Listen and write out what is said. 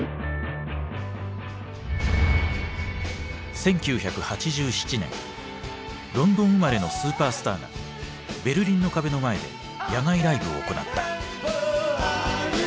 １９８７年ロンドン生まれのスーパースターがベルリンの壁の前で野外ライブを行った。